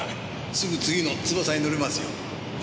すぐ次のつばさに乗れますよ。ね！